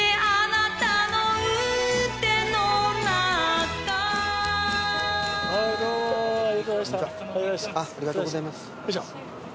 ありがとうございます。